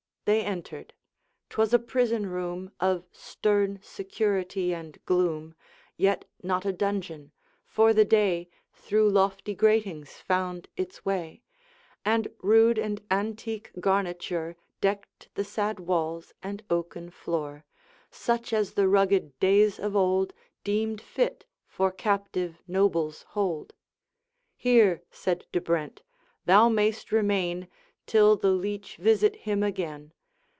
They entered: 'twas a prison room Of stern security and gloom, Yet not a dungeon; for the day Through lofty gratings found its way, And rude and antique garniture Decked the sad walls and oaken floor, Such as the rugged days of old Deemed fit for captive noble's hold. 'Here,' said De Brent, 'thou mayst remain Till the Leech visit him again.